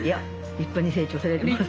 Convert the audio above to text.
立派に成長されてます。